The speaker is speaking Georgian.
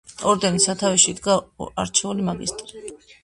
ორდენის სათავეში იდგა არჩეული მაგისტრი.